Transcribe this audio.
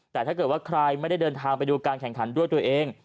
แต่ถ้าเกิดว่าใครไม่ได้เดินทางไปดูการแข่งขันด้วยตัวเอง